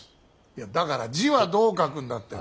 いやだから字はどう書くんだって。